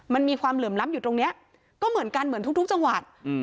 มันมีความเหลื่อมล้ำอยู่ตรงนี้ก็เหมือนกันเหมือนทุกจังหวัด